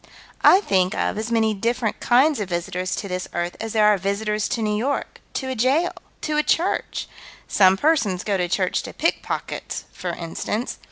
I think of as many different kinds of visitors to this earth as there are visitors to New York, to a jail, to a church some persons go to church to pick pockets, for instance.